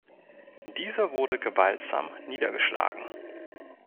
Dieser wurde gewaltsam niedergeschlagen.